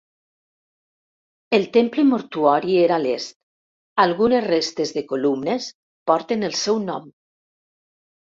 El temple mortuori era a l'est; algunes restes de columnes porten el seu nom.